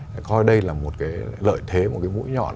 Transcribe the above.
phải coi đây là một cái lợi thế một cái mũi nhọn